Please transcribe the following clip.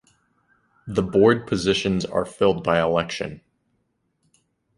The board positions are filled by election.